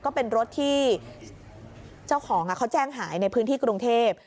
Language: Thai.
ก็เป็นรถที่เจ้าของเขาแจ้งหายในพื้นที่กรุงเทพ